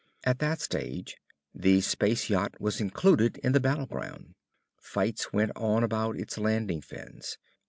In that stage, the space yacht was included in the battleground. Fights went on about its landing fins.